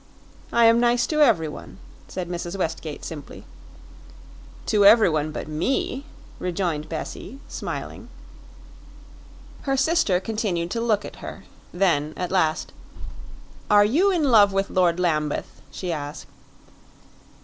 "I am nice to everyone," said Mrs. Westgate simply. "To everyone but me," rejoined Bessie, smiling. Her sister continued to look at her; then, at last, "Are you in love with Lord Lambeth?" she asked.